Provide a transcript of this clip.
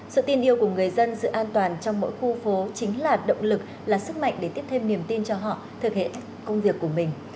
sự tin yêu của người dân sự an toàn trong mỗi khu phố chính là động lực là sức mạnh để tiếp thêm niềm tin cho họ thực hiện công việc của mình